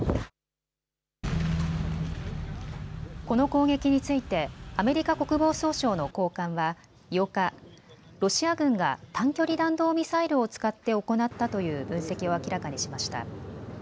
この攻撃についてアメリカ国防総省の高官は８日、ロシア軍が短距離弾道ミサイルを使って行ったという分析を明らかにしました。